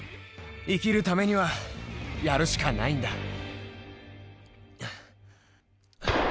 生きるためにはやるしかないんだ。